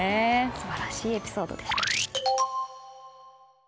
素晴らしいエピソードでした。